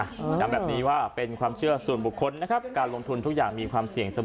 ย้ำแบบนี้ว่าเป็นความเชื่อส่วนบุคคลนะครับการลงทุนทุกอย่างมีความเสี่ยงเสมอ